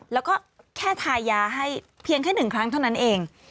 แล้วก็แค่ทายาให้เพียงแค่๑ครั้งเท่านั้นเอง